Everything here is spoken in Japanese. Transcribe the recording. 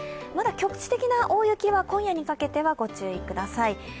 まだ局地的な大雪は今夜にかけてはご注意ください。